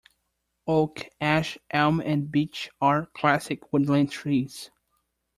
Oak, ash, elm and beech are classic woodland trees.